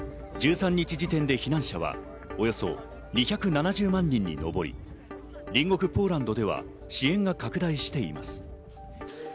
１３日時点で避難者はおよそ２７０万人に上り、隣国ポーランドでは支援が拡大しています。